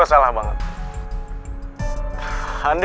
jangan mati dengan tuhan tanta